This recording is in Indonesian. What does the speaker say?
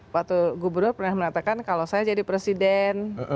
waktu gubernur pernah mengatakan kalau saya jadi presiden